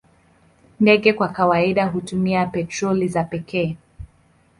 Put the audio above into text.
Ndege kwa kawaida hutumia petroli za pekee.